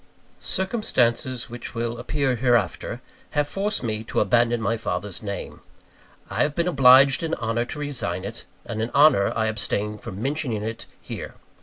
Circumstances which will appear hereafter, have forced me to abandon my father's name. I have been obliged in honour to resign it; and in honour I abstain from mentioning it here.